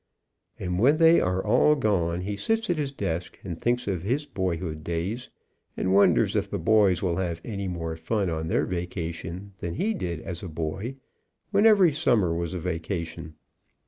And when they are all gone, he sits at his desk and thinks of his boyhood days, and won ders if the boys will have any more fun on their vaca tion than he did as a boy when every summer day was a vacation.